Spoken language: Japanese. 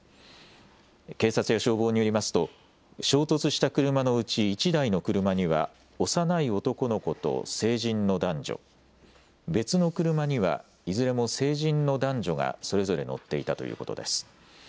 警察や消防によりますと衝突した車のうち１台の車には幼い男の子と成人の男女、別の車にはいずれも成人の男女がそれぞれ乗っていたということです。